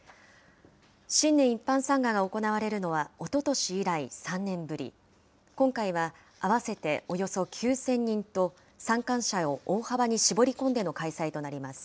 新年一般参賀が行われるのは、おととし以来３年ぶり、今回は合わせておよそ９０００人と、参観者を大幅に絞り込んでの開催となります。